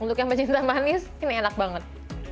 untuk yang pecinta manis ini enak banget